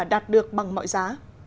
chỉ là đạt được bằng mọi giá